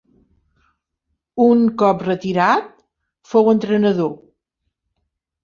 Un cop retirat fou entrenador.